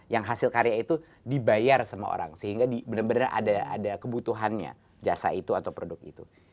yang hasil karya itu dibayar sama orang sehingga benar benar ada kebutuhannya jasa itu atau produk itu